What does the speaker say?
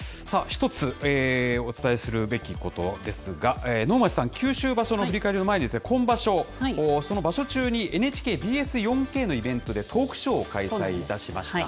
一つお伝えするべきことですが、能町さん、九州場所の振り返りの前に、今場所、その場所中にＮＨＫＢＳ４Ｋのイベントでトークショーを開催いたしました。